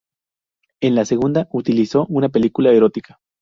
En la segunda, utilizó una película erótica.